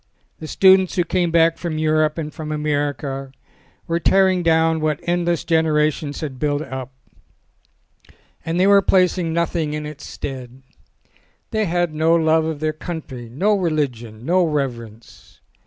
The students who came back from Europe and from America were tearing down what endless genera tions had built up, and they were placing nothing in its stead. They had no love of their country, no religion, no reverence.